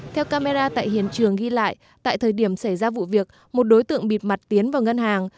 theo camera tại hiện trường ghi lại tại thời điểm xảy ra vụ việc một đối tượng bịt mặt tiến vào ngân hàng